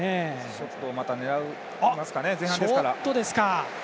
ショットを狙いますかね前半ですから。